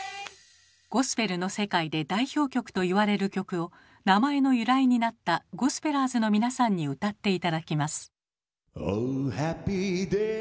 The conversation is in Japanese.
ゴスペルの世界で代表曲と言われる曲を名前の由来になったゴスペラーズの皆さんに歌って頂きます。